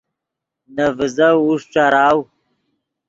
نے ڤیزف اوݰ ݯراؤ